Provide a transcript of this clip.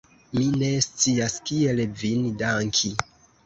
Mi ne scias, kiel vin danki!